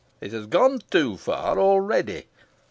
It has gone too far already.